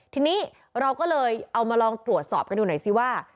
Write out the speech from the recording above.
ทีนี้เราก็เลยเอามาลองตรวจสอบกันดูหน่อยซิว่า